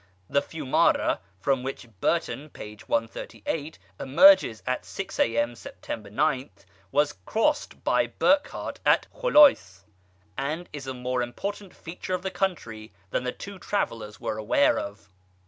The Fiumara, from which Burton (p. 138) emerged at six A.M., Sept. 9, was crossed by Burckhardt at Kholayc, and is a more important feature of the country than the two travellers were aware of.